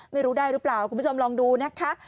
ไม่รู้ได้หรือเปล่าคุณผู้ชมลองดูนะคะ